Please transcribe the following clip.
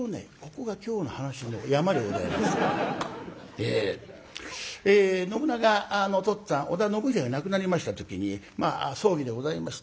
え信長のお父っつぁん織田信秀が亡くなりました時にまあ葬儀でございました。